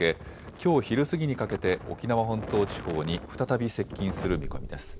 きょう昼過ぎにかけて沖縄本島地方に再び接近する見込みです。